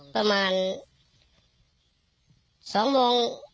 ประมาณ๒โมง